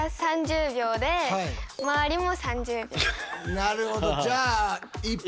なるほど。